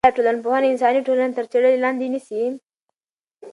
آیا ټولنپوهنه انساني ټولنې تر څېړنې لاندې نیسي؟